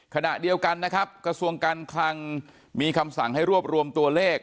ขณะเดียวกันนะครับกระทรวงการคลังมีคำสั่งให้รวบรวมตัวเลข